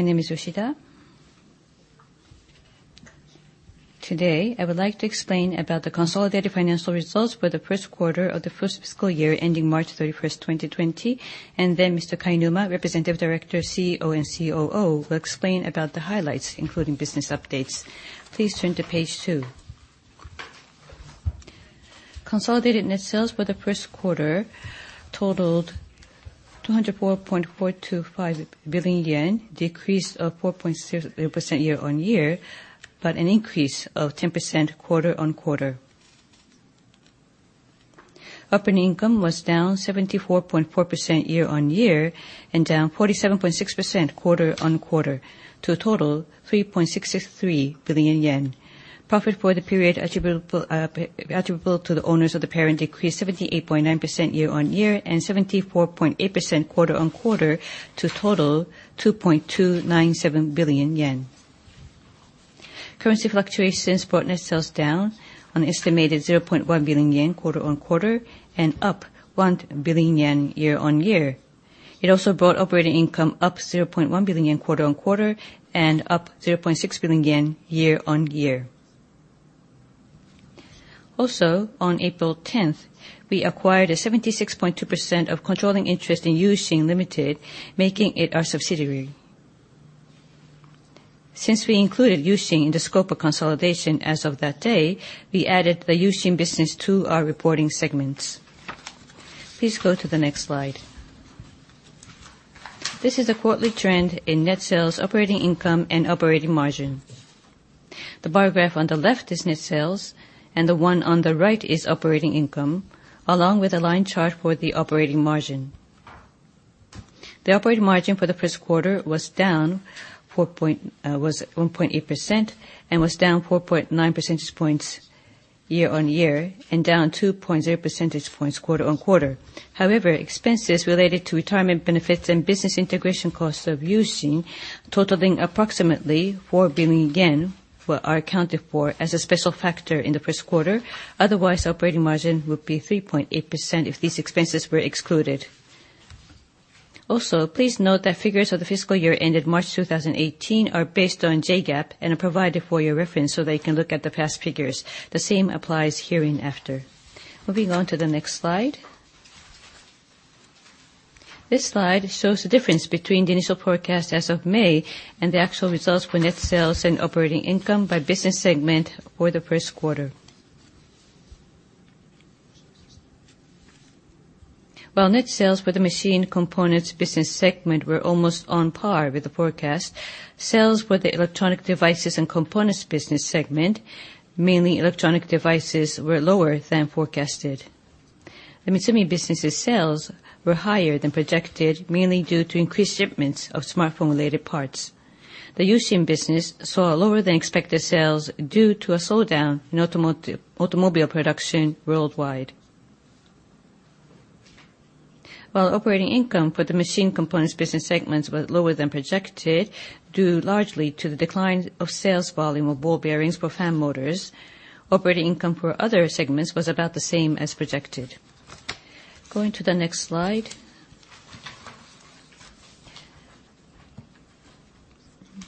My name is Yoshida. Today, I would like to explain about the consolidated financial results for the first quarter of the first fiscal year ending March 31st, 2020, and then Mr. Kainuma, Representative Director, CEO, and COO, will explain about the highlights, including business updates. Please turn to page two. Consolidated net sales for the first quarter totaled JPY 204.425 billion, decrease of 4.6% year-on-year, but an increase of 10% quarter-on-quarter. Operating income was down 74.4% year-on-year and down 47.6% quarter-on-quarter, to a total 3.663 billion yen. Profit for the period attributable to the owners of the parent decreased 78.9% year-on-year and 74.8% quarter-on-quarter, to a total 2.297 billion yen. Currency fluctuations brought net sales down an estimated 0.1 billion yen quarter-on-quarter and up 1 billion yen year-on-year. It also brought operating income up 0.1 billion yen quarter-on-quarter and up 0.6 billion yen year-on-year. On April 10th, we acquired a 76.2% of controlling interest in U-Shin Ltd., making it our subsidiary. Since we included U-Shin in the scope of consolidation as of that day, we added the U-Shin business to our reporting segments. Please go to the next slide. This is a quarterly trend in net sales, operating income, and operating margin. The bar graph on the left is net sales and the one on the right is operating income, along with a line chart for the operating margin. The operating margin for the first quarter was 1.8% and was down 4.9 percentage points year-over-year and down 2.0 percentage points quarter-over-quarter. Expenses related to retirement benefits and business integration costs of U-Shin totaling approximately 4 billion yen are accounted for as a special factor in the first quarter. Otherwise, operating margin would be 3.8% if these expenses were excluded. Please note that figures of the fiscal year ending March 2018 are based on JGAAP and are provided for your reference so that you can look at the past figures. The same applies hereinafter. Moving on to the next slide. This slide shows the difference between the initial forecast as of May and the actual results for net sales and operating income by business segment for the first quarter. While net sales for the machine components business segment were almost on par with the forecast, sales for the Electronic Devices and Components business segment, mainly electronic devices, were lower than forecasted. The Mitsumi business' sales were higher than projected, mainly due to increased shipments of smartphone-related parts. The U-Shin business saw lower-than-expected sales due to a slowdown in automobile production worldwide. While operating income for the Machine Components Business Segments was lower than projected, due largely to the decline of sales volume of ball bearings for fan motors, operating income for other segments was about the same as projected. Going to the next slide.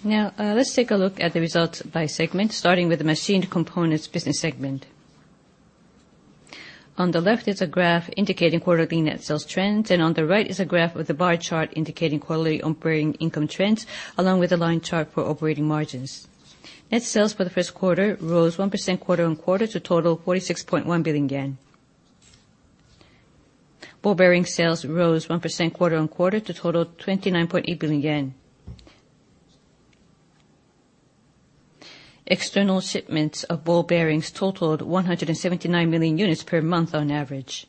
Let's take a look at the results by segment, starting with the Machine Components Business Segment. On the left is a graph indicating quarterly net sales trends, and on the right is a graph with a bar chart indicating quarterly operating income trends, along with a line chart for operating margins. Net sales for the first quarter rose 1% quarter-on-quarter to a total of JPY 46.1 billion. Ball bearing sales rose 1% quarter-on-quarter to total 29.8 billion yen. External shipments of ball bearings totaled 179 million units per month on average.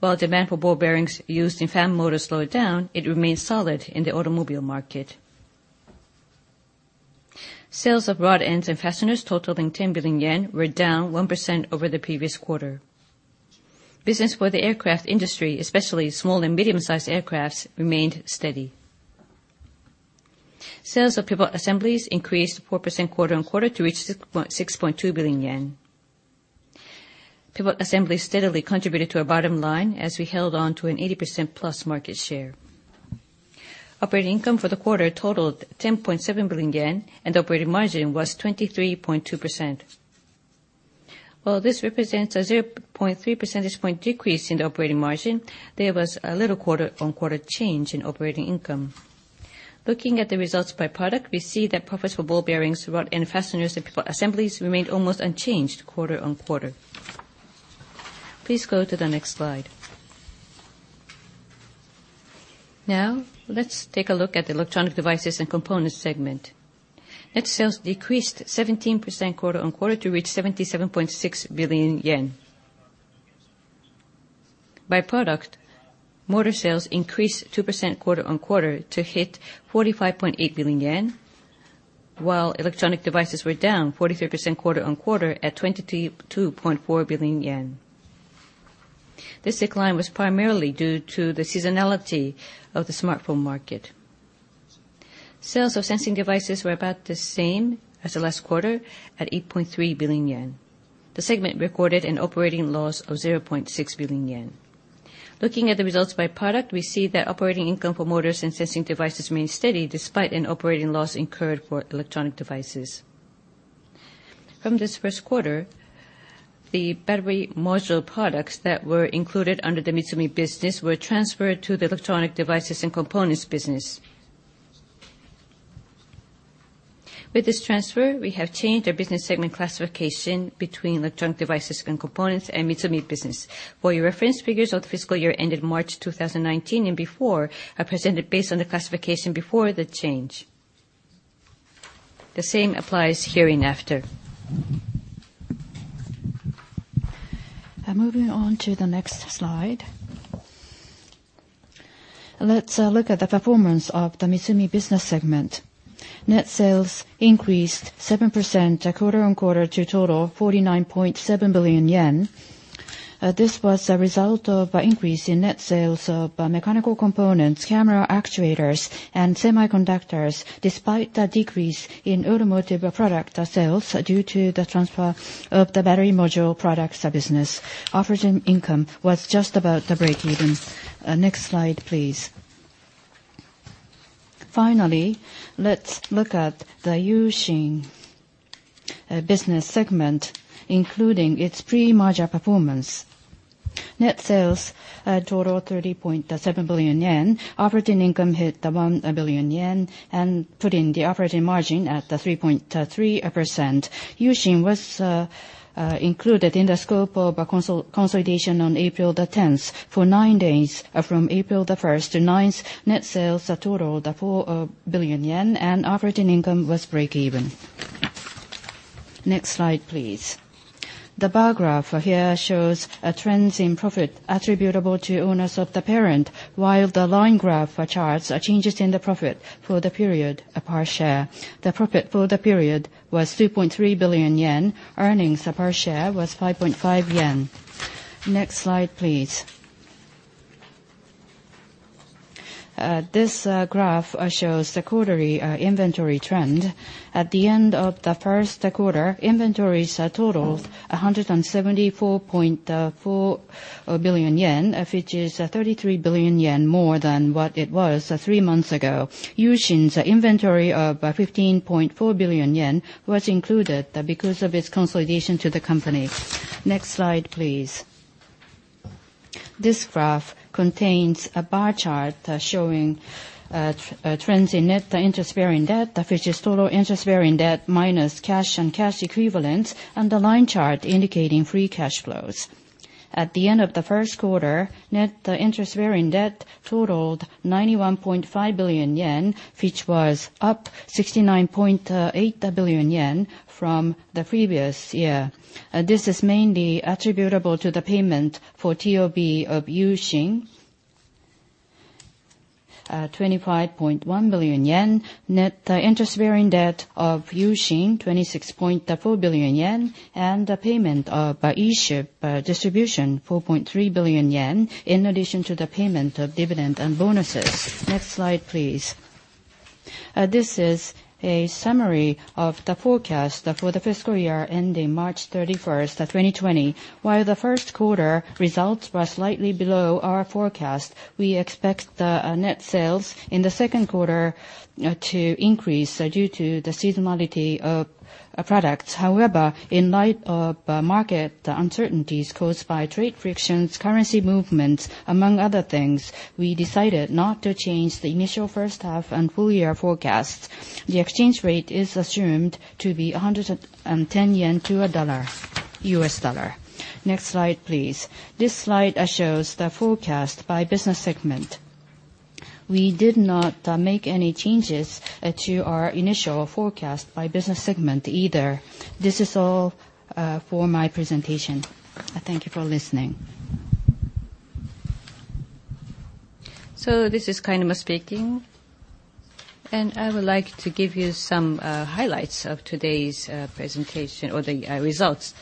While demand for ball bearings used in fan motors slowed down, it remained solid in the automobile market. Sales of rod ends and fasteners totaling 10 billion yen were down 1% over the previous quarter. Business for the aircraft industry, especially small and medium-sized aircraft, remained steady. Sales of pivot assemblies increased 4% quarter-on-quarter to reach 6.2 billion yen. Pivot assemblies steadily contributed to our bottom line as we held on to an 80%-plus market share. Operating income for the quarter totaled 10.7 billion yen, and operating margin was 23.2%. While this represents a 0.3 percentage point decrease in the operating margin, there was a little quarter-on-quarter change in operating income. Looking at the results by product, we see that profits for ball bearings, rod end fasteners, and pivot assemblies remained almost unchanged quarter-on-quarter. Please go to the next slide. Now let's take a look at the Electronic Devices and Components segment. Net sales decreased 17% quarter-on-quarter to reach JPY 77.6 billion. By product, motor sales increased 2% quarter-on-quarter to hit 45.8 billion yen, while electronic devices were down 43% quarter-on-quarter at 22.4 billion yen. This decline was primarily due to the seasonality of the smartphone market. Sales of Sensing Devices were about the same as the last quarter, at 8.3 billion yen. The segment recorded an operating loss of 0.6 billion yen. Looking at the results by product, we see that operating income for motors and sensing devices remained steady despite an operating loss incurred for Electronic Devices. From this first quarter, the battery module products that were included under the MITSUMI business were transferred to the Electronic Devices and Components business. With this transfer, we have changed our business segment classification between Electronic Devices and Components and MITSUMI business. For your reference, figures of the fiscal year ended March 2019 and before are presented based on the classification before the change. The same applies hereafter. Moving on to the next slide. Let's look at the performance of the MITSUMI business segment. Net sales increased 7% quarter-on-quarter to total of 49.7 billion yen. This was a result of an increase in net sales of mechanical components, camera actuators, and semiconductors, despite the decrease in automotive product sales due to the transfer of the battery module products business. Operating income was just about breakeven. Next slide, please. Finally, let's look at the U-Shin business segment, including its pre-merger performance. Net sales totaled 30.7 billion yen. Operating income hit 1 billion yen, putting the operating margin at 3.3%. U-Shin was included in the scope of consolidation on April the 10th. For nine days, from April the 1st to the 9th, net sales totaled 4 billion yen and operating income was breakeven. Next slide, please. The bar graph here shows trends in profit attributable to owners of the parent, while the line graph charts changes in the profit for the period per share. The profit for the period was 2.3 billion yen. Earnings per share was 5.5 yen. Next slide, please. This graph shows the quarterly inventory trend. At the end of the first quarter, inventories totaled 174.4 billion yen, which is 33 billion yen more than what it was three months ago. U-Shin's inventory of 15.4 billion yen was included because of its consolidation to the company. Next slide, please. This graph contains a bar chart showing trends in net interest-bearing debt, which is total interest-bearing debt minus cash and cash equivalents, and a line chart indicating free cash flows. At the end of the first quarter, net interest-bearing debt totaled 91.5 billion yen, which was up 69.8 billion yen from the previous year. This is mainly attributable to the payment for TOB of U-Shin, 25.1 billion yen, net interest-bearing debt of U-Shin, 26.4 billion yen, and the payment of eShip distribution, 4.3 billion yen, in addition to the payment of dividends and bonuses. Next slide, please. This is a summary of the forecast for the fiscal year ending March 31st, 2020. While the first quarter results were slightly below our forecast, we expect the net sales in the second quarter to increase due to the seasonality of products. However, in light of market uncertainties caused by trade frictions, currency movements, among other things, we decided not to change the initial first half and full-year forecasts. The exchange rate is assumed to be 110 yen to a U.S. dollar. Next slide, please. This slide shows the forecast by business segment. We did not make any changes to our initial forecast by business segment either. This is all for my presentation. Thank you for listening. This is Kainuma speaking, and I would like to give you some highlights of today's presentation or the results.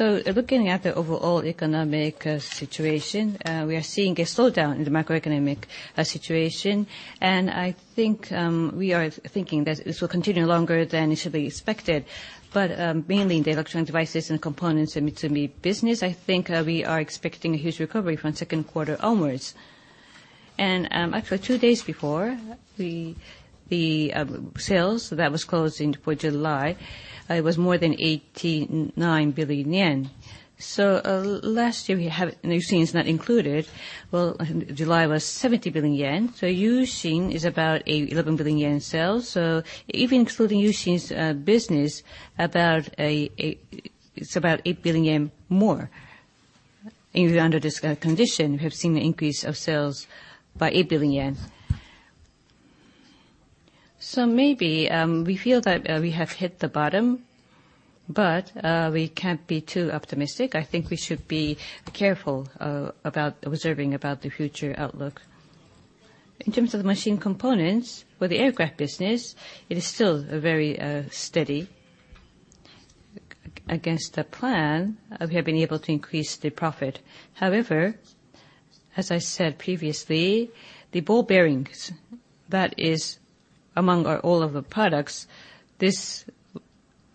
Looking at the overall economic situation, we are seeing a slowdown in the macroeconomic situation, and I think we are thinking that this will continue longer than initially expected. Mainly in the Electronic Devices and Components in MITSUMI business, I think we are expecting a huge recovery from second quarter onwards. Actually, two days before, the sales that was closing for July, it was more than 89 billion yen. Last year, we have U-Shin is not included. July was 70 billion yen, so U-Shin is about 11 billion yen in sales. Even excluding U-Shin's business, it's about 8 billion yen more. Even under this condition, we have seen an increase of sales by 8 billion yen. Maybe we feel that we have hit the bottom, but we can't be too optimistic. I think we should be careful about observing about the future outlook. In terms of the machine components for the aircraft business, it is still very steady. Against the plan, we have been able to increase the profit. As I said previously, the ball bearings, that is among all of the products, this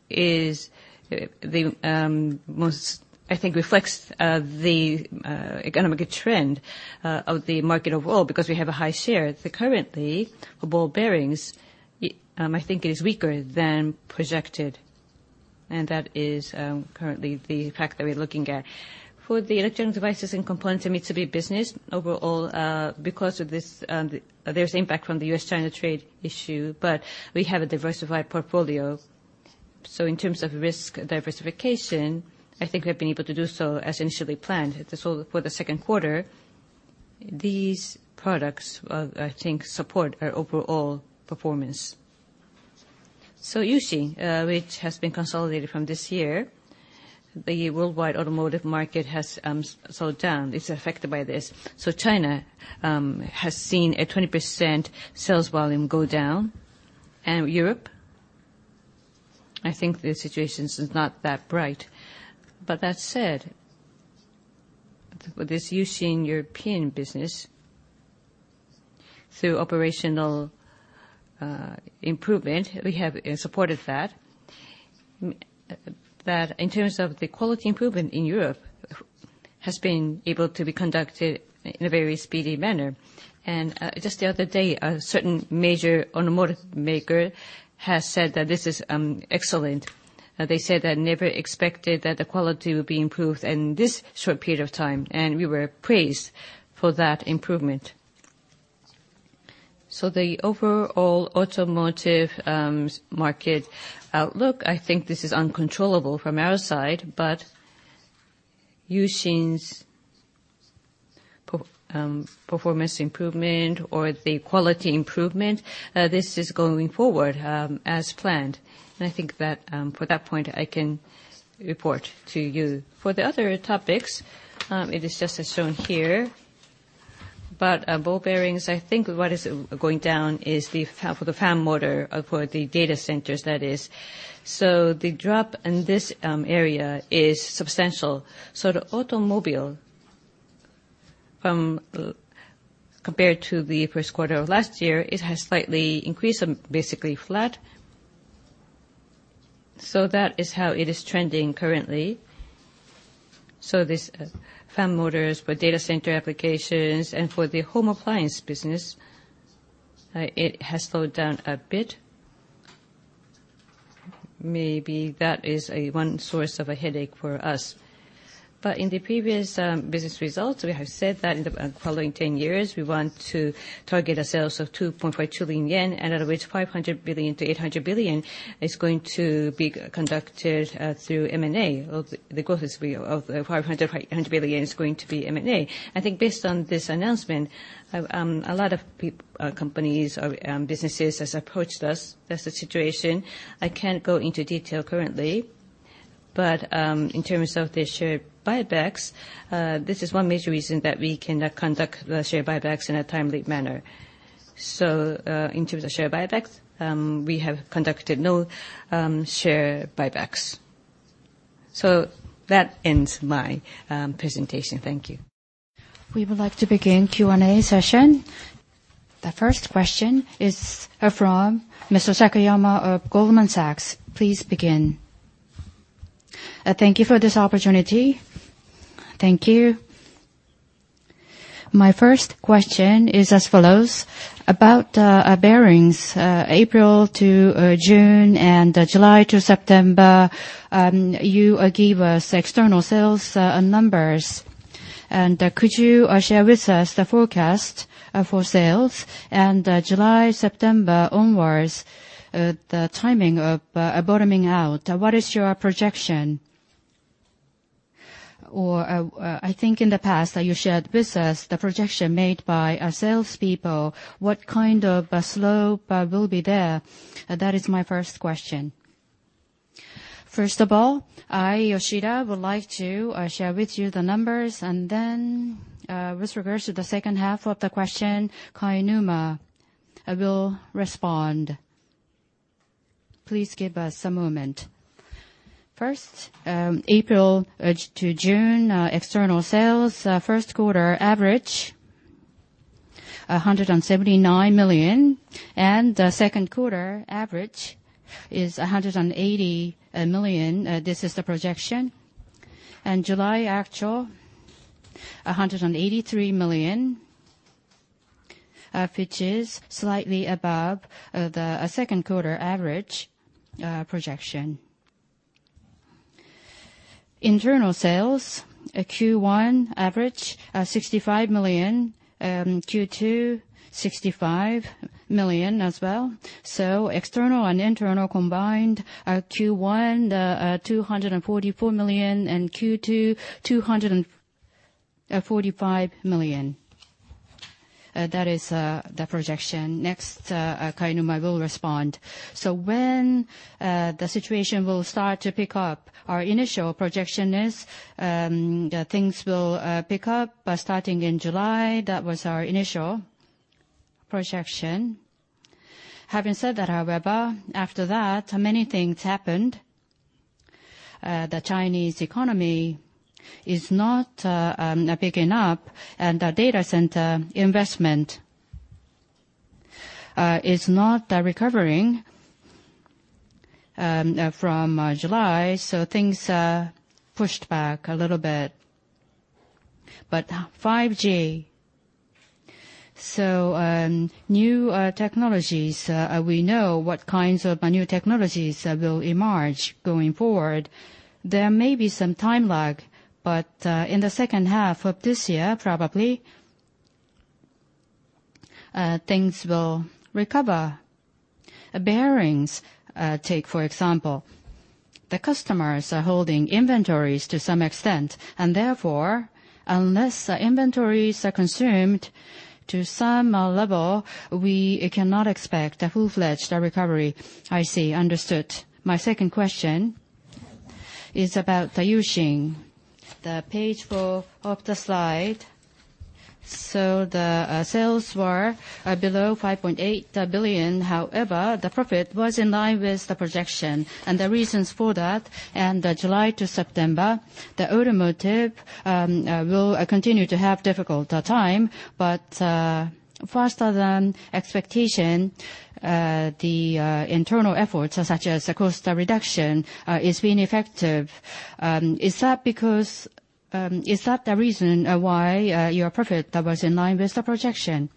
is the most, I think reflects the economic trend of the market overall because we have a high share. Currently, ball bearings, I think is weaker than projected. That is currently the fact that we're looking at. For the Electronic Devices and Components B2B business, overall, because of this, there's impact from the U.S.-China trade issue, but we have a diversified portfolio. In terms of risk diversification, I think we have been able to do so as initially planned. For the second quarter, these products, I think support our overall performance. You see, which has been consolidated from this year, the worldwide automotive market has slowed down. It's affected by this. China has seen a 20% sales volume go down. Europe, I think the situation is not that bright. That said, with this using European business through operational improvement, we have supported that. That in terms of the quality improvement in Europe, has been able to be conducted in a very speedy manner. Just the other day, a certain major automotive maker has said that this is excellent. They said they never expected that the quality would be improved in this short period of time. We were praised for that improvement. The overall automotive market outlook, I think this is uncontrollable from our side, but using performance improvement or the quality improvement, this is going forward as planned. I think that for that point, I can report to you. For the other topics, it is just as shown here. Ball bearings, I think what is going down is the fan for the fan motor for the data centers, that is. The drop in this area is substantial. The automobile, compared to the first quarter of last year, it has slightly increased, basically flat. That is how it is trending currently. This fan motors for data center applications and for the home appliance business, it has slowed down a bit. Maybe that is one source of a headache for us. In the previous business results, we have said that in the following 10 years, we want to target a sales of 2.5 trillion yen, out of which 500 billion to 800 billion is going to be conducted through M&A. The growth of the 500 billion-800 billion is going to be M&A. I think based on this announcement, a lot of companies or businesses has approached us. That's the situation. I can't go into detail currently. In terms of the share buybacks, this is one major reason that we cannot conduct the share buybacks in a timely manner. In terms of share buybacks, we have conducted no share buybacks. That ends my presentation. Thank you. We would like to begin Q&A session. The first question is from Mr. Takayama of Goldman Sachs. Please begin. Thank you for this opportunity. Thank you. My first question is as follows about bearings April to June and July to September, you gave us external sales numbers. Could you share with us the forecast for sales and July, September onwards, the timing of bottoming out? What is your projection? I think in the past you shared with us the projection made by salespeople. What kind of a slope will be there? That is my first question. I, Yoshida, would like to share with you the numbers, and then with regards to the second half of the question, Kainuma will respond. Please give us a moment. April to June, external sales, first quarter average, 179 million, and the second quarter average is 180 million. This is the projection. July actual, 183 million, which is slightly above the second quarter average projection. Internal sales, Q1 average, 65 million, Q2, 65 million as well. External and internal combined, Q1, 244 million, and Q2, 245 million. That is the projection. Next, Kainuma will respond. When the situation will start to pick up, our initial projection is that things will pick up by starting in July. That was our initial projection. Having said that, however, after that, many things happened The Chinese economy is not picking up, and the data center investment is not recovering from July, so things are pushed back a little bit. 5G, so new technologies, we know what kinds of new technologies will emerge going forward. There may be some time lag, but in the second half of this year, probably, things will recover. Bearings, take, for example. The customers are holding inventories to some extent, and therefore, unless the inventories are consumed to some level, we cannot expect a full-fledged recovery. I see. Understood. My second question is about the U-Shin. The page four of the slide. The sales were below 5.8 billion. However, the profit was in line with the projection and the reasons for that. The July to September, the automotive will continue to have difficult time, but faster than expectation, the internal efforts, such as cost reduction, is being effective. Is that the reason why your profit was in line with the projection?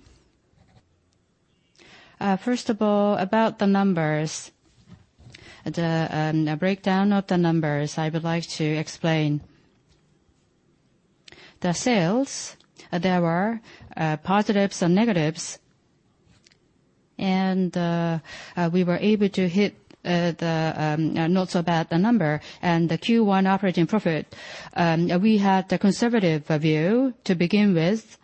First of all, about the numbers, the breakdown of the numbers, I would like to explain. The sales, there were positives and negatives, we were able to hit the not so bad number. The Q1 operating profit, we had a conservative view to begin with.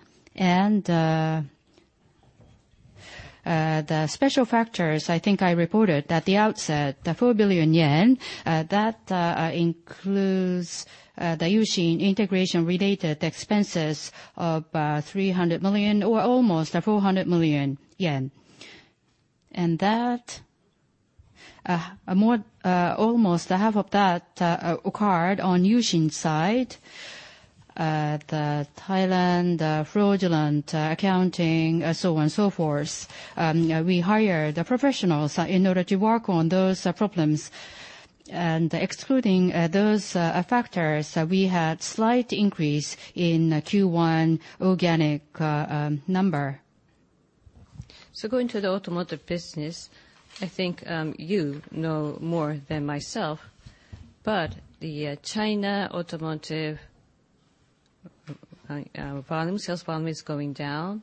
The special factors, I think I reported at the outset, the 4 billion yen, that includes the U-Shin integration-related expenses of 300 million or almost 400 million yen. That, almost half of that occurred on U-Shin's side, the Thailand fraudulent accounting, so on and so forth. We hired professionals in order to work on those problems. Excluding those factors, we had slight increase in Q1 organic number. Going to the automotive business, I think you know more than myself. The China automotive volume, sales volume is going down.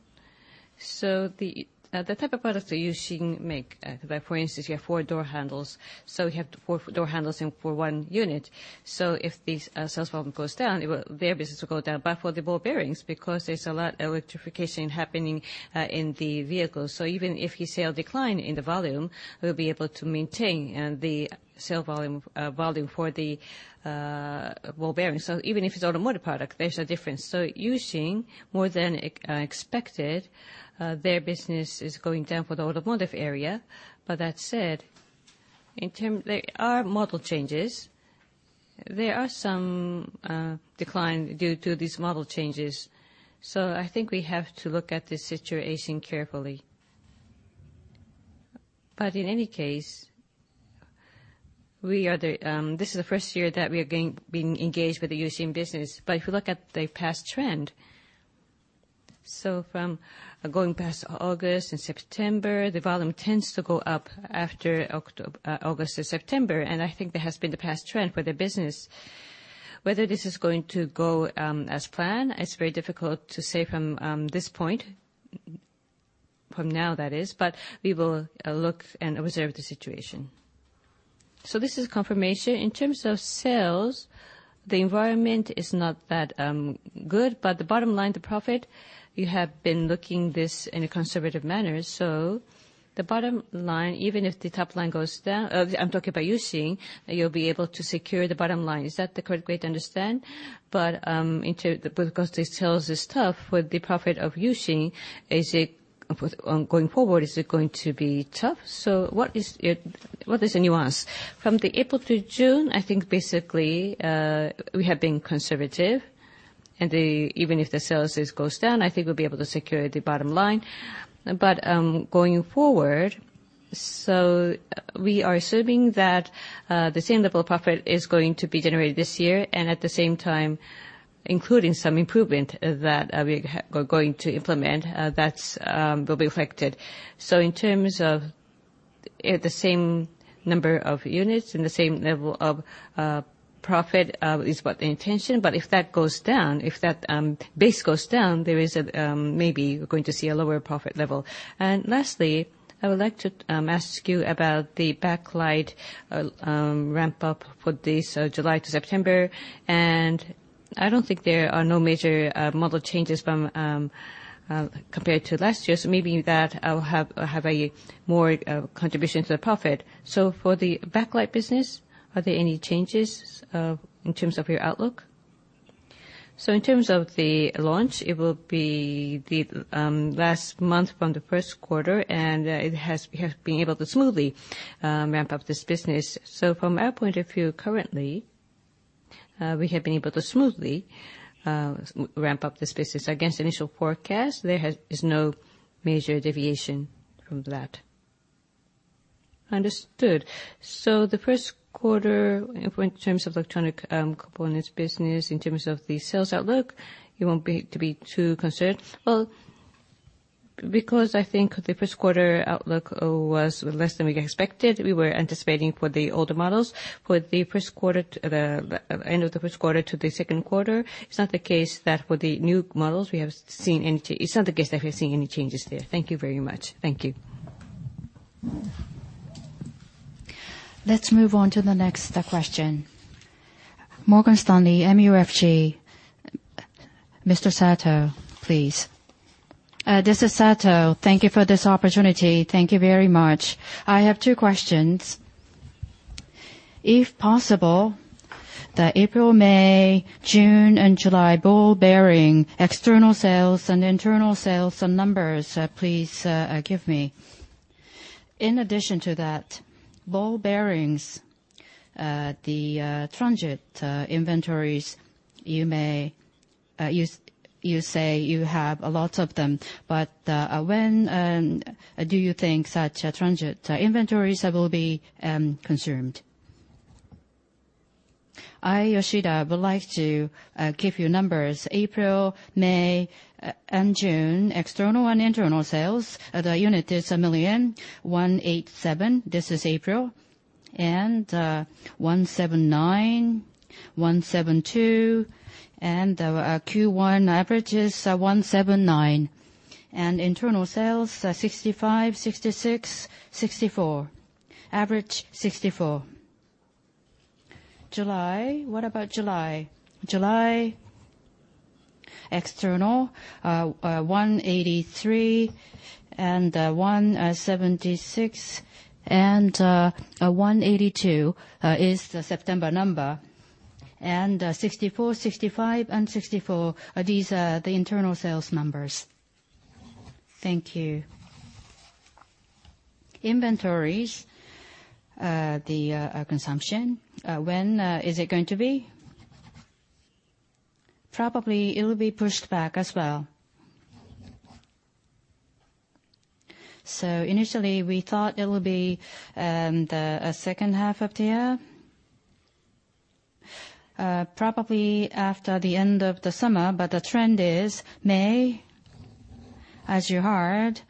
The type of products that U-Shin make, like for instance, you have four door handles, so you have the four door handles for one unit. If the sales volume goes down, their business will go down. For the ball bearings, because there's a lot of electrification happening in the vehicles, so even if you see a decline in the volume, we'll be able to maintain the sale volume for the ball bearings. Even if it's automotive product, there's a difference. U-Shin, more than expected, their business is going down for the automotive area. That said, there are model changes. There are some decline due to these model changes. I think we have to look at the situation carefully. In any case, this is the first year that we are being engaged with the U-Shin business. If you look at the past trend, from going past August and September, the volume tends to go up after August to September, and I think that has been the past trend for the business. Whether this is going to go as planned, it's very difficult to say from this point, from now that is, but we will look and observe the situation. This is confirmation. In terms of sales, the environment is not that good, but the bottom line, the profit, you have been looking this in a conservative manner. The bottom line, even if the top line goes down, I'm talking about U-Shin, you'll be able to secure the bottom line. Is that the correct way to understand? Because the sales is tough for the profit of U-Shin, going forward, is it going to be tough? What is the nuance? From the April through June, I think basically, we have been conservative, and even if the sales goes down, I think we'll be able to secure the bottom line. Going forward, so we are assuming that the same level of profit is going to be generated this year, and at the same time, including some improvement that we are going to implement, that will be affected. In terms of the same number of units and the same level of profit is what the intention, but if that goes down, if that base goes down, there is maybe we're going to see a lower profit level. Lastly, I would like to ask you about the backlight ramp up for this July to September. I don't think there are no major model changes compared to last year. Maybe that will have a more contribution to the profit. For the backlight business, are there any changes in terms of your outlook? In terms of the launch, it will be the last month from the first quarter, and we have been able to smoothly ramp up this business. From our point of view, currently, we have been able to smoothly ramp up this business against initial forecast. There is no major deviation from that. Understood. The first quarter, in terms of Electronic Devices and Components business, in terms of the sales outlook, you won't be too concerned? Well, because I think the first quarter outlook was less than we expected, we were anticipating for the older models. For the end of the first quarter to the second quarter, it's not the case that for the new models, we have seen any changes there. Thank you very much. Thank you. Let's move on to the next question. Morgan Stanley MUFG. Mr. Sato, please. This is Sato. Thank you for this opportunity. Thank you very much. I have two questions. If possible, the April, May, June, and July ball bearing external sales and internal sales numbers, please give me. In addition to that, ball bearings, the transit inventories, you say you have a lot of them. When do you think such transit inventories will be consumed? I, Yoshida, would like to give you numbers. April, May, and June, external and internal sales. The unit is million. 187, this is April. 179, 172, and Q1 average is 179. Internal sales, 65, 66, 64. Average, 64. July, what about July? July, external, 183 and 176, and 182 is the September number. 64, 65, and 64 are the internal sales numbers. Thank you. Inventories, the consumption, when is it going to be? Probably it will be pushed back as well. Initially, we thought it would be the second half of the year. Probably after the end of the summer, the trend is May, as you heard,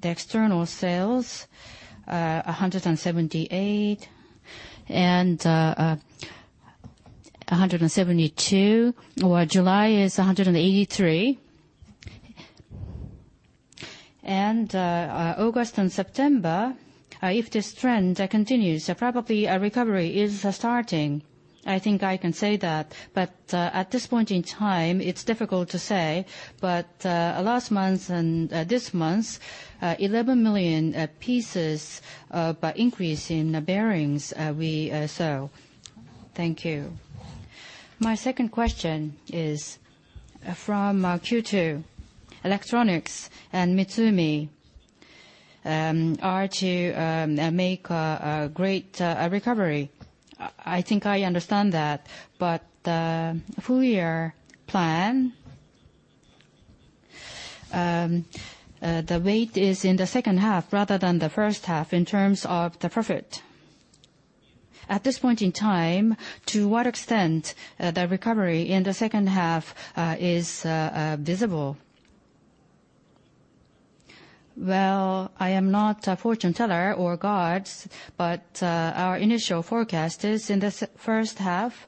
the external sales, 178 million and 172 million, or July is 183 million. August and September, if this trend continues, probably a recovery is starting. I think I can say that. At this point in time, it's difficult to say. Last month and this month, 11 million pieces by increase in bearings we sell. Thank you. My second question is, from Q2, electronics and Mitsumi are to make a great recovery. I think I understand that. The full-year plan, the weight is in the second half rather than the first half in terms of the profit. At this point in time, to what extent the recovery in the second half is visible? Well, I am not a fortune teller or gods, our initial forecast is in the first half,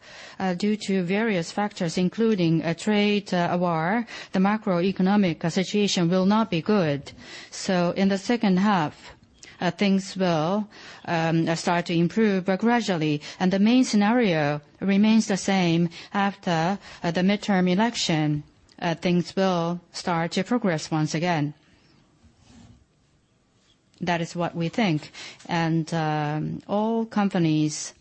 due to various factors, including a trade war, the macroeconomic situation will not be good. In the second half, things will start to improve, but gradually. The main scenario remains the same. After the midterm election, things will start to progress once again. That is what we think. All companies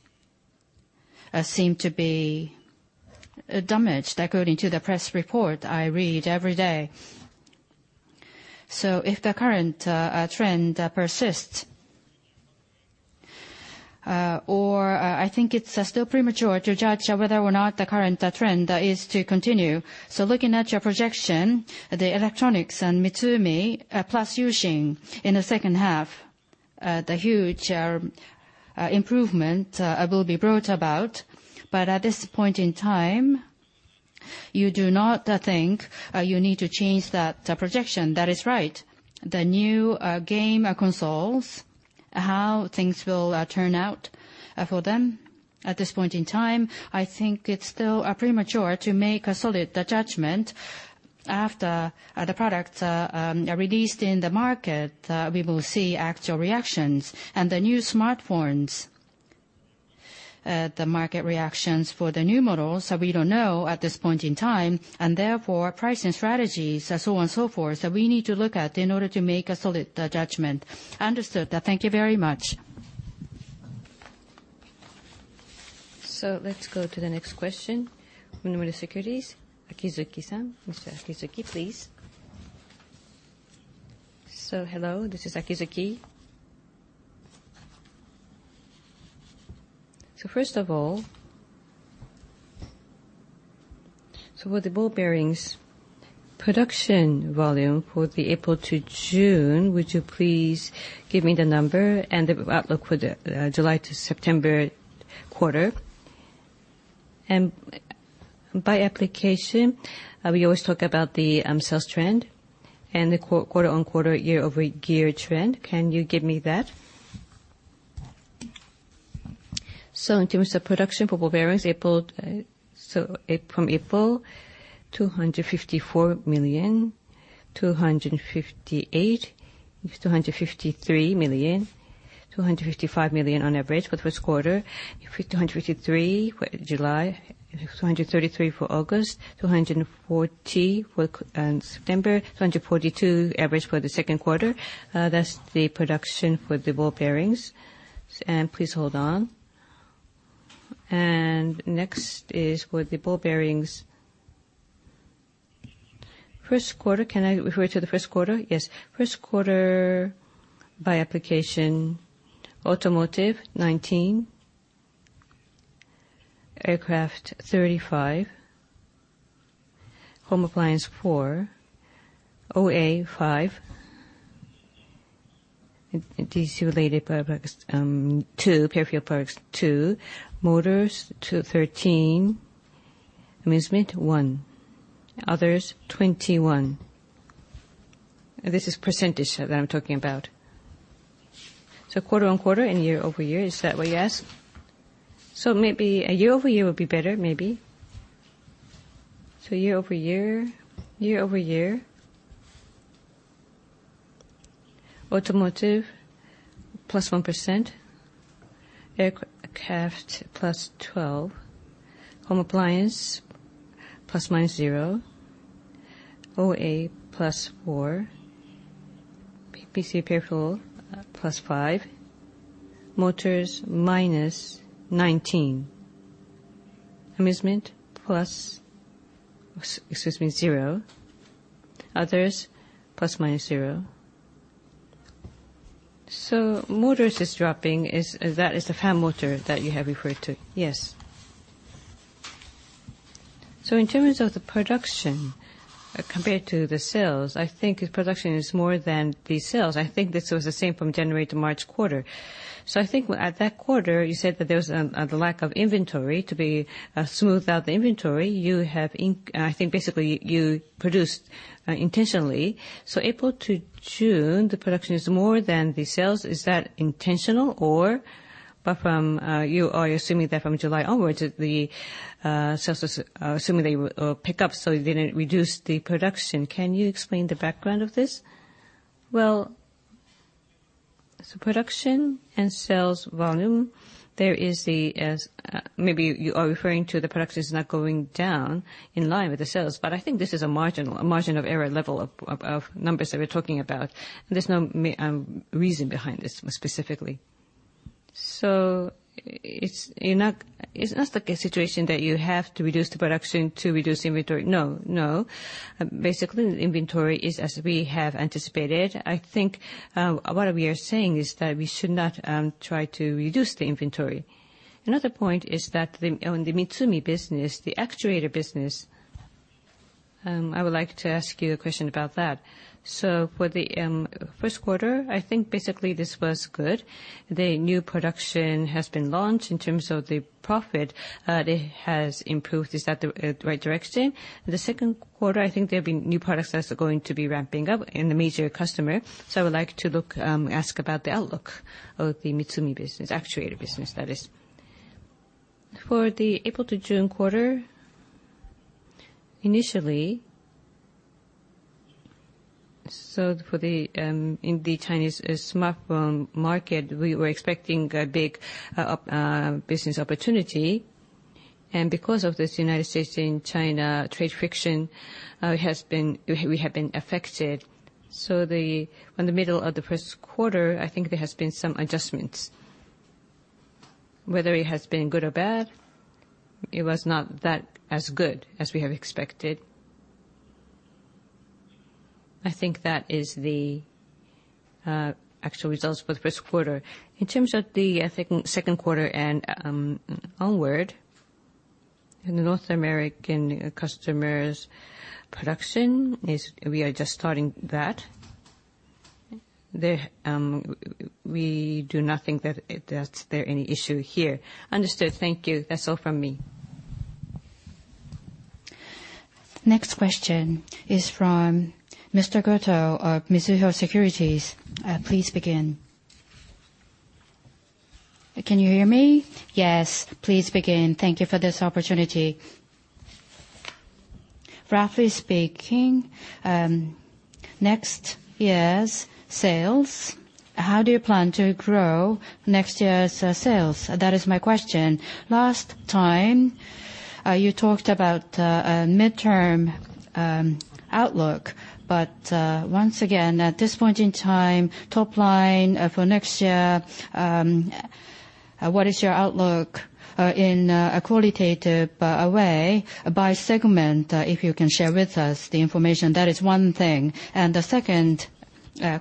seem to be damaged, according to the press report I read every day. If the current trend persists, or I think it's still premature to judge whether or not the current trend is to continue. Looking at your projection, the electronics and Mitsumi, plus U-Shin in the second half, the huge improvement will be brought about. At this point in time, you do not think you need to change that projection. That is right. The new game consoles, how things will turn out for them at this point in time, I think it's still premature to make a solid judgment. After the products are released in the market, we will see actual reactions. The new smartphones, the market reactions for the new models, we don't know at this point in time. Therefore, pricing strategies and so on and so forth, we need to look at in order to make a solid judgment. Understood. Thank you very much. Let's go to the next question. Nomura Securities, Akizuki-san. Mr. Akizuki, please. Hello, this is Akizuki. First of all, with the ball bearings production volume for the April to June, would you please give me the number and the outlook for the July to September quarter? By application, we always talk about the sales trend and the quarter-on-quarter, year-over-year trend. Can you give me that? In terms of production for ball bearings, from April, 254 million, 258, 253 million, 255 million on average for the first quarter. 253 for July, 233 for August, 240 for September, 242 average for the second quarter. That's the production for the ball bearings. Please hold on. Next is for the ball bearings. First quarter, can I refer to the first quarter? Yes. First quarter by application, automotive 19, aircraft 35, home appliance 4, OA 5, DC related products 2, peripheral products 2, motors 13, amusement 1, others 21. This is percentage that I'm talking about. Quarter-on-quarter and year-over-year, is that what you asked? Maybe a year-over-year would be better, maybe. Year-over-year. Year-over-year, automotive +1%, aircraft +12%, home appliance ±0%, OA +4%, PC peripheral +5%, motors -19%, amusement +0%, others ±0%. Motors is dropping. That is the fan motor that you have referred to? Yes. In terms of the production compared to the sales, I think the production is more than the sales. I think this was the same from January to March quarter. I think at that quarter, you said that there was the lack of inventory. To smooth out the inventory, I think basically you produced intentionally. April to June, the production is more than the sales. Is that intentional, or you are assuming that from July onwards, the sales assuming they will pick up, you didn't reduce the production? Can you explain the background of this? Well, production and sales volume, maybe you are referring to the production is not going down in line with the sales, but I think this is a margin of error level of numbers that we're talking about. There's no reason behind this specifically. It's not like a situation that you have to reduce the production to reduce inventory? No, no. Basically, the inventory is as we have anticipated. I think what we are saying is that we should not try to reduce the inventory. Another point is that on the Mitsumi business, the actuator business, I would like to ask you a question about that. For the first quarter, I think basically this was good. The new production has been launched. In terms of the profit, it has improved. Is that the right direction? The second quarter, I think there will be new products that are going to be ramping up in the major customer. I would like to ask about the outlook of the Mitsumi business, actuator business, that is. For the April to June quarter, initially, so in the Chinese smartphone market, we were expecting a big business opportunity. Because of this United States and China trade friction, we have been affected. On the middle of the first quarter, I think there has been some adjustments. Whether it has been good or bad, it was not that as good as we have expected. I think that is the actual results for the first quarter. In terms of the, I think, second quarter and onward, in the North American customers production, we are just starting that. We do not think that there's any issue here. Understood. Thank you. That's all from me. Next question is from Mr. Goto of Mizuho Securities. Please begin. Can you hear me? Yes. Please begin. Thank you for this opportunity. Roughly speaking, next year's sales, how do you plan to grow next year's sales? That is my question. You talked about midterm outlook, once again, at this point in time, top line for next year, what is your outlook in a qualitative way by segment, if you can share with us the information? That is one thing. The second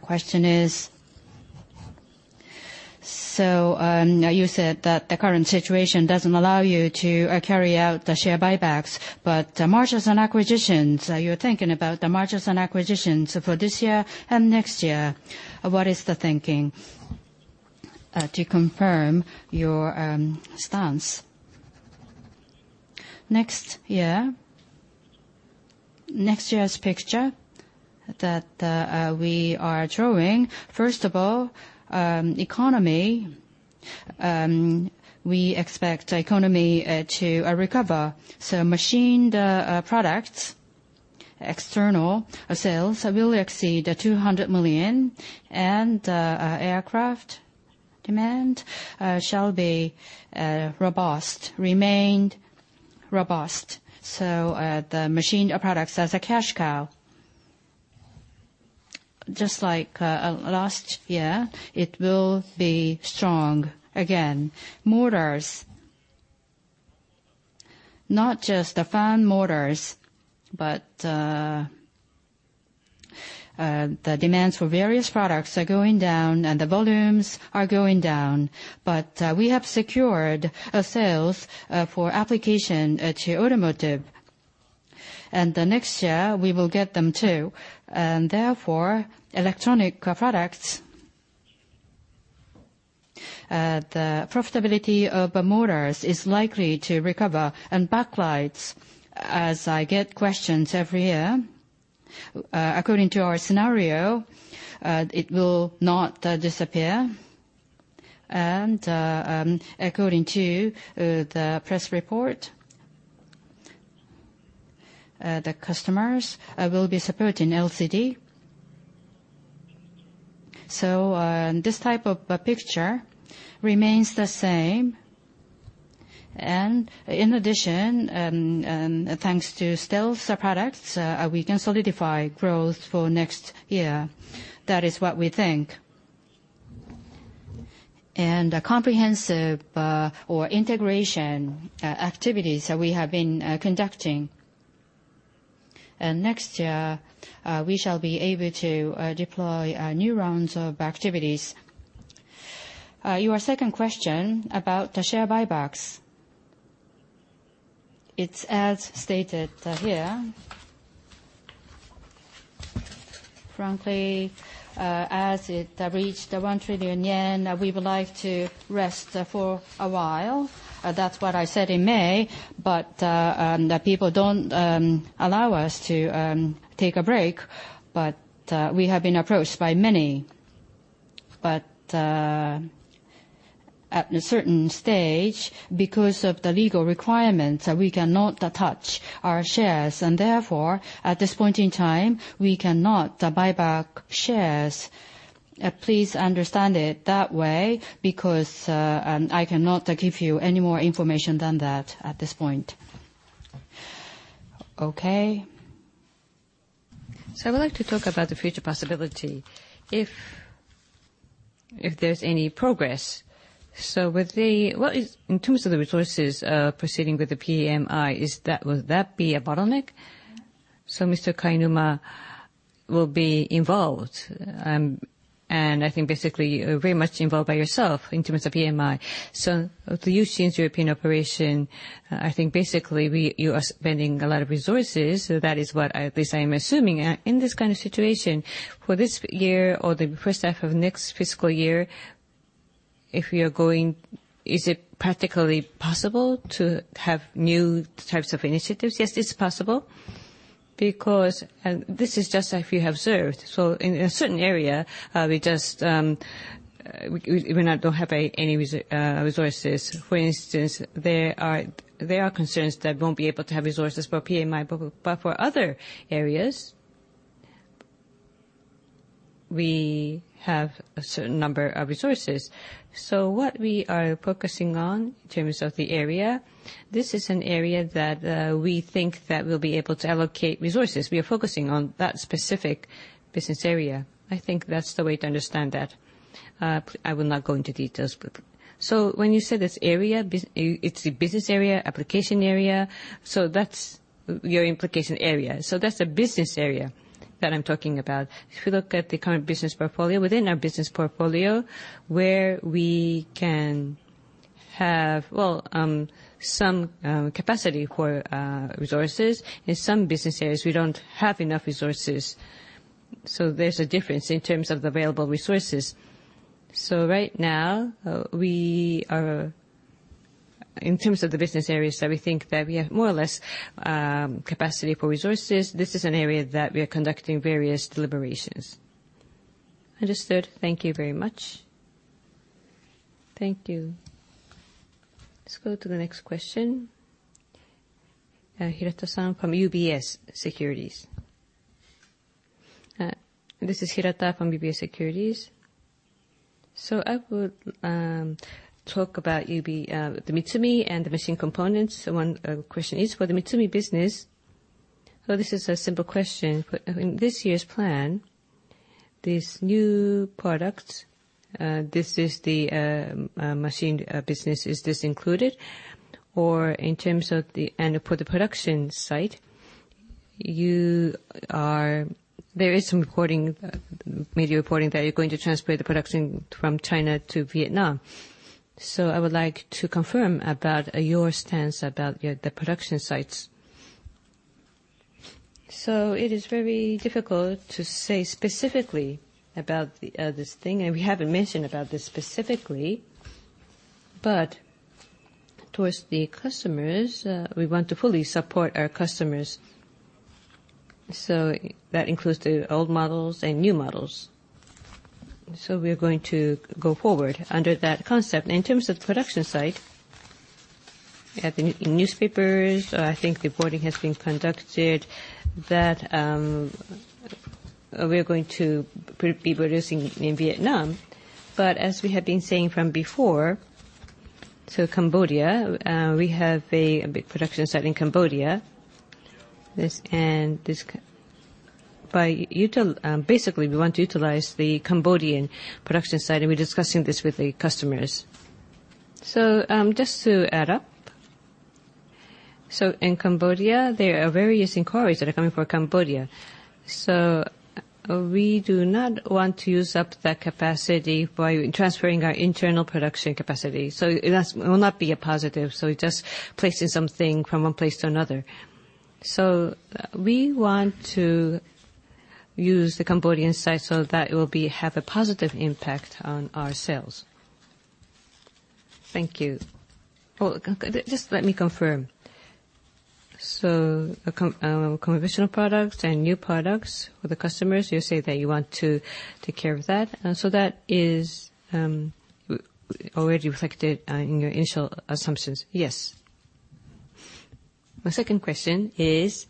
question is, you said that the current situation doesn't allow you to carry out the share buybacks, but mergers and acquisitions, you're thinking about the mergers and acquisitions for this year and next year. What is the thinking to confirm your stance? Next year's picture that we are drawing, first of all, economy. We expect economy to recover. Machined products, external sales will exceed 200 million, and aircraft demand shall be robust, remain robust. The machined products as a cash cow, just like last year, it will be strong again. Motors, not just the fan motors, but the demands for various products are going down, and the volumes are going down. We have secured sales for application to automotive. Next year, we will get them, too. Electronic products, the profitability of the Motors is likely to recover. Backlights, as I get questions every year, according to our scenario, it will not disappear. According to the press report, the customers will be supporting LCD. This type of picture remains the same. In addition, thanks to stealth products, we can solidify growth for next year. That is what we think. Comprehensive or integration activities that we have been conducting. Next year, we shall be able to deploy new rounds of activities. Your second question about the share buybacks. It's as stated here. Frankly, as it reached 1 trillion yen, we would like to rest for a while. That's what I said in May, but the people don't allow us to take a break. We have been approached by many. At a certain stage, because of the legal requirements, we cannot touch our shares, and therefore, at this point in time, we cannot buy back shares. Please understand it that way, because I cannot give you any more information than that at this point. Okay. I would like to talk about the future possibility, if there's any progress. In terms of the resources proceeding with the PMI, would that be a bottleneck? Mr. Kainuma will be involved, and I think basically very much involved by yourself in terms of PMI. The U.S. and European operation, I think basically you are spending a lot of resources. That is what at least I am assuming. In this kind of situation, for this year or the first half of next fiscal year, is it practically possible to have new types of initiatives? Yes, it's possible, because this is just as we observed. In a certain area, we just do not have any resources. For instance, there are concerns that won't be able to have resources for PMI, but for other areas, we have a certain number of resources. What we are focusing on in terms of the area, this is an area that we think that we'll be able to allocate resources. We are focusing on that specific business area. I think that's the way to understand that. I will not go into details. When you say this area, it's the business area, application area? That's your implication area. That's the business area that I'm talking about. If you look at the current business portfolio, within our business portfolio, where we can have some capacity for resources. In some business areas, we don't have enough resources. There's a difference in terms of the available resources. Right now, in terms of the business areas that we think that we have more or less capacity for resources, this is an area that we are conducting various deliberations. Understood. Thank you very much. Thank you. Let's go to the next question. Hirata-san from UBS Securities. This is Hirata from UBS Securities. I will talk about the Mitsumi and the machine components. One question is for the Mitsumi business. This is a simple question. In this year's plan, this new product, this is the machine business, is this included? In terms of the production site, there is some media reporting that you're going to transfer the production from China to Vietnam. I would like to confirm about your stance about the production sites. It is very difficult to say specifically about this thing, and we haven't mentioned about this specifically. Towards the customers, we want to fully support our customers. That includes the old models and new models. We are going to go forward under that concept. In terms of production site, in newspapers, I think reporting has been conducted that we are going to be producing in Vietnam. As we have been saying from before, Cambodia, we have a big production site in Cambodia. Basically, we want to utilize the Cambodian production site, and we're discussing this with the customers. Just to add up, in Cambodia, there are various inquiries that are coming for Cambodia. We do not want to use up that capacity by transferring our internal production capacity. It will not be a positive, just placing something from one place to another. We want to use the Cambodian site so that it will have a positive impact on our sales. Thank you. Just let me confirm. Conventional products and new products for the customers, you say that you want to take care of that. That is already reflected in your initial assumptions. Yes. My second question is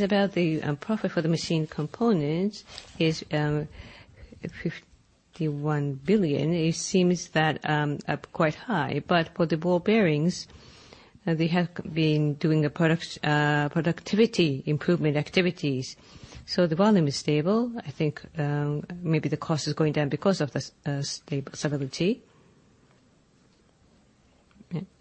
about the profit for the machine components is 51 billion. It seems that up quite high, but for the ball bearings, they have been doing productivity improvement activities. The volume is stable. I think maybe the cost is going down because of the stability.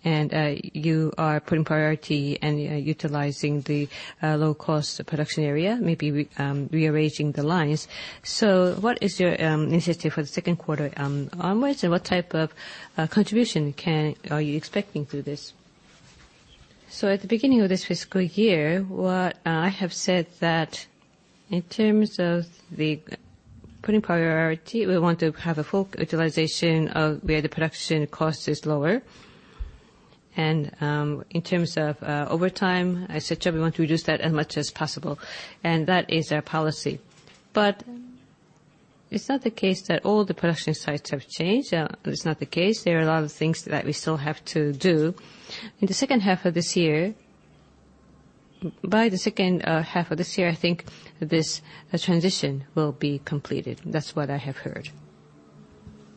You are putting priority and utilizing the low-cost production area, maybe rearranging the lines. What is your initiative for the second quarter onwards, and what type of contribution are you expecting through this? At the beginning of this fiscal year, what I have said that in terms of the putting priority, we want to have a full utilization of where the production cost is lower. In terms of overtime, I said we want to reduce that as much as possible, and that is our policy. It's not the case that all the production sites have changed. It's not the case. There are a lot of things that we still have to do. By the second half of this year, I think this transition will be completed. That's what I have heard.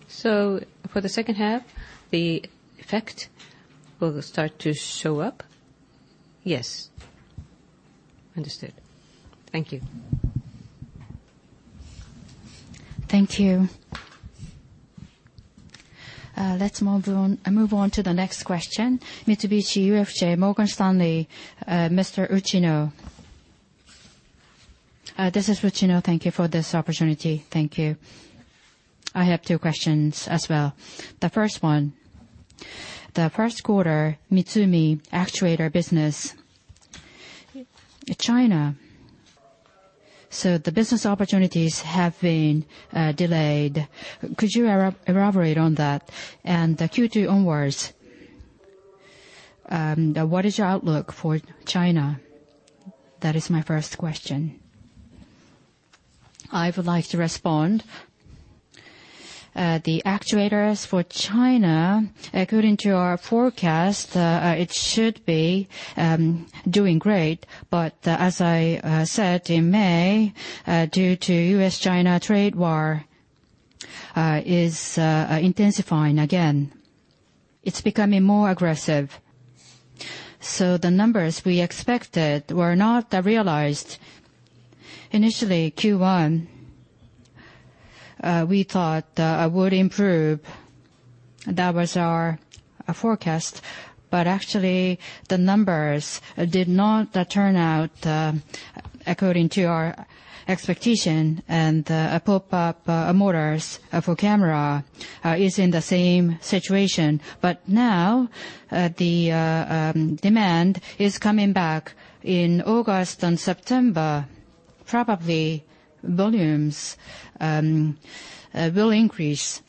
For the second half, the effect will start to show up? Yes. Understood. Thank you. Thank you. Let's move on to the next question. Mitsubishi UFJ Morgan Stanley, Mr. Uchino. This is Uchino. Thank you for this opportunity. Thank you. I have two questions as well. The first one, the first quarter, Mitsumi actuator business. China. The business opportunities have been delayed. Could you elaborate on that? The Q2 onwards, what is your outlook for China? That is my first question. I would like to respond. The actuators for China, according to our forecast, it should be doing great, but as I said in May, due to U.S.-China trade war is intensifying again. It's becoming more aggressive. The numbers we expected were not realized. Initially, Q1, we thought would improve. That was our forecast. Actually, the numbers did not turn out according to our expectation. Pop-up motors for camera is in the same situation. Now, the demand is coming back in August and September. Probably, volumes will increase.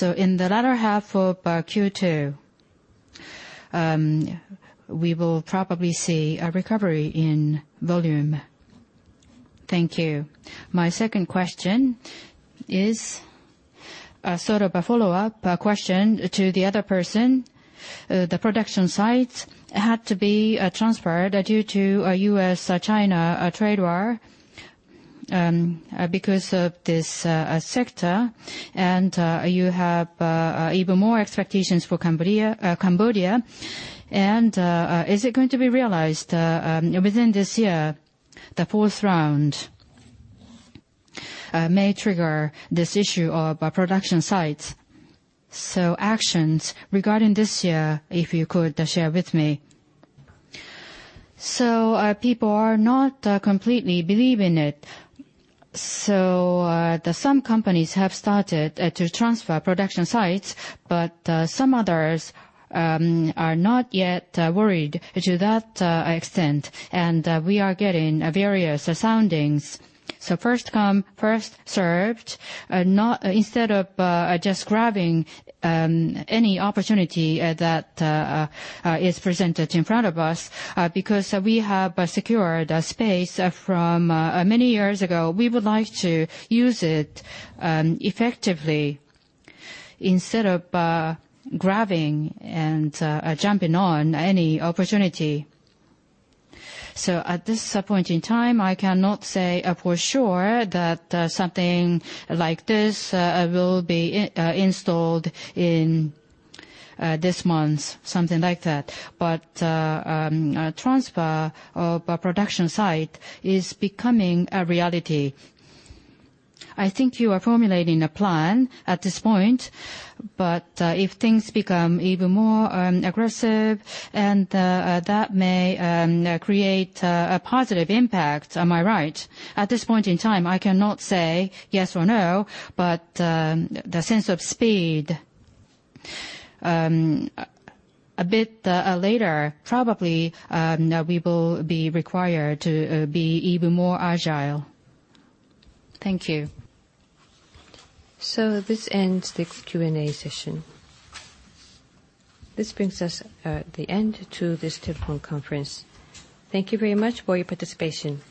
In the latter half of Q2, we will probably see a recovery in volume. Thank you. My second question is a follow-up question to the other person. The production sites had to be transferred due to a U.S.-China trade war because of this sector, and you have even more expectations for Cambodia. Is it going to be realized within this year? The fourth round may trigger this issue of production sites. Actions regarding this year, if you could share with me. People are not completely believe in it. Some companies have started to transfer production sites, but some others are not yet worried to that extent, and we are getting various soundings. First come, first served. Instead of just grabbing any opportunity that is presented in front of us, because we have secured a space from many years ago, we would like to use it effectively instead of grabbing and jumping on any opportunity. At this point in time, I cannot say for sure that something like this will be installed in this month, something like that. Transfer of a production site is becoming a reality. I think you are formulating a plan at this point, but if things become even more aggressive, and that may create a positive impact. Am I right? At this point in time, I cannot say yes or no, but the sense of speed, a bit later, probably, we will be required to be even more agile. Thank you. This ends the Q&A session. This brings us at the end to this telephone conference. Thank you very much for your participation.